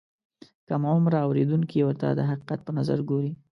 کم عمره اورېدونکي ورته د حقیقت په نظر ګوري.